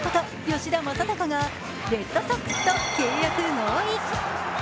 吉田正尚がレッドソックスと契約合意。